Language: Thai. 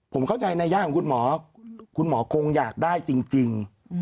ผมเข้าใจในย่างของคุณหมอคุณหมอคงอยากได้จริง